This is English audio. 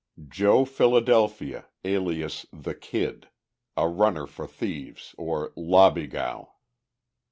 JOE PHILADELPHIA, alias "The Kid," a runner for thieves, or "lobbygow."